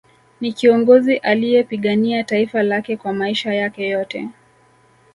Ni kiongozi aliyepigania taifa lake kwa maisha yake yote